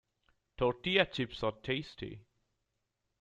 Tortilla chips are tasty.